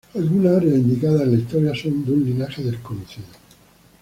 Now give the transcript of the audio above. Algunas áreas indicadas en la historia son de un linaje desconocido.